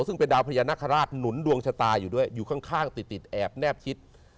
ซึ่งเป็นดาวพญานาคาราชหนุนดวงชะตาอยู่ด้วยอยู่ข้างติดแอบแนบชิด